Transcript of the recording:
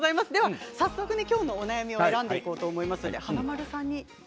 今日のお悩み選んでいこうと思います。